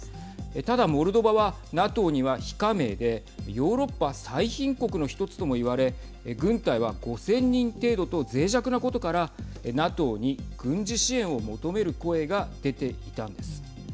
ただモルドバはＮＡＴＯには非加盟でヨーロッパ最貧国の一つともいわれ軍隊は５０００人程度とぜい弱なことからＮＡＴＯに軍事支援を求める声が出ていたんです。